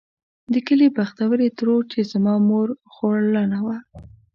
د کلي بختورې ترور چې زما مور خورلڼه وه.